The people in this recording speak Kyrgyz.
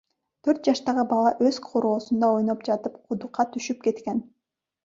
Төрт жаштагы бала өз короосунда ойноп жатып кудукка түшүп кеткен.